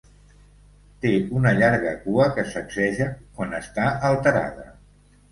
Té una llarga cua que sacseja quan està alterada.